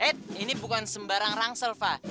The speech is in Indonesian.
eh ini bukan sembarang rangsil fah